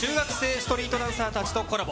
ストリートダンサーたちとコラボ。